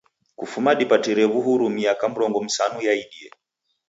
Kufuma dipatire w'uhuru miaka mrongo msanu yaidie.